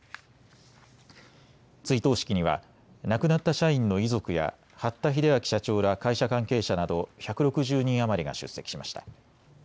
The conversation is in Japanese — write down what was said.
追悼式には亡くなった社員の遺族や八田英明社長ら会社関係者など１６０人余りが出席しました。